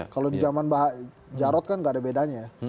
kalau di zaman jarod kan tidak ada bedanya